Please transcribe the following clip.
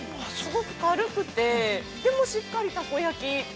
すごく軽くてでも、しっかりたこ焼き！